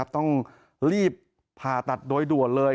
ต้องรีบผ่าตัดโดยด่วนเลย